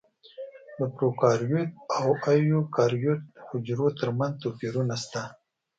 د پروکاریوت او ایوکاریوت حجرو ترمنځ توپیرونه شته.